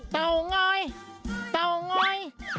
เต้อง้อยเต้อง้อย